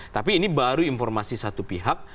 tapi ini baru informasi satu pihak